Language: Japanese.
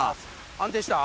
安定した？